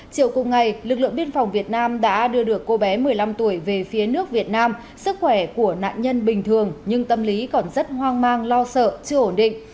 chiều cùng ngày lực lượng biên phòng việt nam đã đưa được cô bé một mươi năm tuổi về phía nước việt nam sức khỏe của nạn nhân bình thường nhưng tâm lý còn rất hoang mang lo sợ chưa ổn định